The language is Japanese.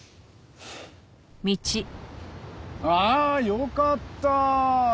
ああよかった。